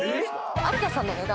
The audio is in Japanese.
有田さんの値段。